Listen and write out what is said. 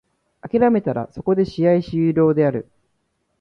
諦めたらそこで試合終了である。